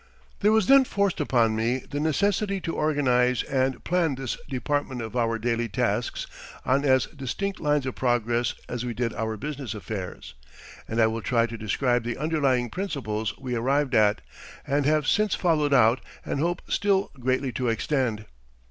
There was then forced upon me the necessity to organize and plan this department of our daily tasks on as distinct lines of progress as we did our business affairs; and I will try to describe the underlying principles we arrived at, and have since followed out, and hope still greatly to extend.